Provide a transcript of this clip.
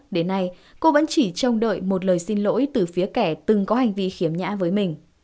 đến nay cô vẫn chỉ trông đợi một lời xin lỗi từ phía kẻ từng có hành vi khiếm nhã với mình